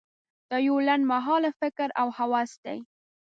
دا یو لنډ مهاله فکر او هوس دی.